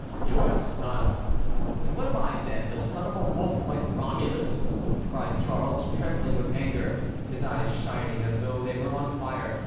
"Your son—and what am I, then? the son of a wolf, like Romulus?" cried Charles, trembling with anger, his eyes shining as though they were on fire.